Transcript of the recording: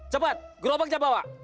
cepat gerobaknya bawa